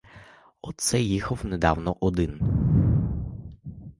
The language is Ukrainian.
Оце їхав недавно один.